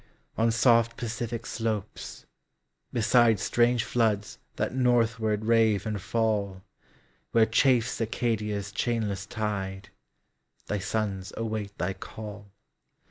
On soft Pacific slopes,—besideStrange floods that northward rave and fall,—Where chafes Acadia's chainless tide,—Thy sons await thy call.